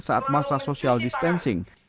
saat masa sosial distensing